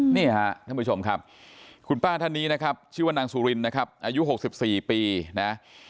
นี่ฮะท่านผู้ชมครับคุณป้าท่านนี้นะครับชื่อว่านางสุรินนะครับอายุ๖๔ปีนะ